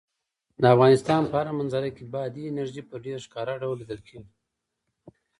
د افغانستان په هره منظره کې بادي انرژي په ډېر ښکاره ډول لیدل کېږي.